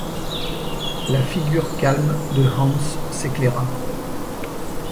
La figure calme de Hans s’éclaira.